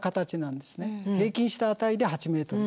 平均した値で８ｍ。